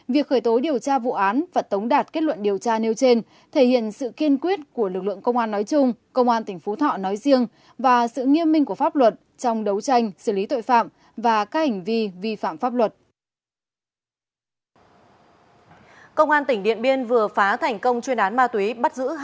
việc khởi tối điều tra vụ án và tống đạt kết luận điều tra nêu trên thể hiện sự kiên quyết của lực lượng công an nói chung công an tỉnh phú thọ nói riêng và sự nghiêm minh của pháp luật trong đấu tranh xử lý tội phạm và các hành vi vi phạm pháp luật